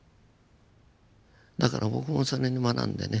だから僕もそれに学んでね